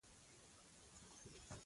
پیلوټ د پرواز نقشه مطالعه کوي.